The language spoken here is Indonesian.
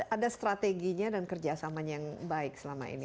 ada strateginya dan kerjasamanya yang baik selama ini